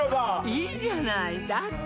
いいじゃないだって